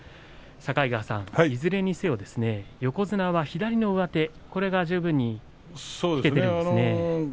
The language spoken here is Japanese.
境川さん、いずれにせよ横綱は左の上手、これが十分に引けていますね。